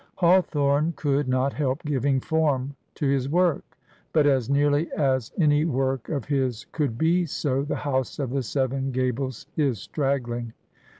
Hawthorne could not help giving form to his work, but as nearly as any work of his could be so " The House of the Seven Gables" is straggling.